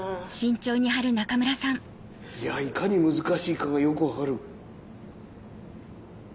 いやいかに難しいかがよく分かる。